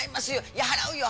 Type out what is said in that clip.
「いや払うよ」